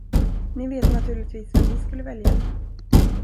Ni vet naturligtvis vad ni skulle välja?